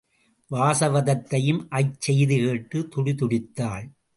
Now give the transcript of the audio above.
வாசவதத்தையும் அச்செய்தி கேட்டுத் துடிதுடித்தாள்.